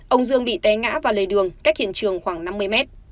ông dương bị té ngã vào lề đường cách hiện trường khoảng năm mươi mét